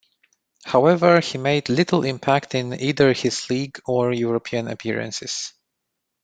However he made little impact in either his league or European appearances.